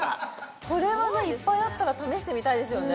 これはねいっぱいあったら試してみたいですよね